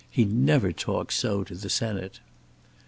He never talks so to the Senate."